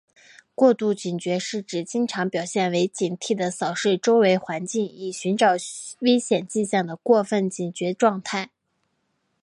过度警觉是指经常表现为警惕地扫视周围环境以寻找危险迹象的过分警觉状态。